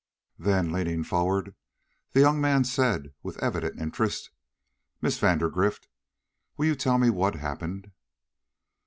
Then, leaning forward, the young man said, with evident interest: "Miss Vandergrift, will you tell me what happened?"